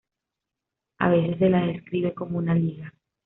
A veces se las describe como una liga.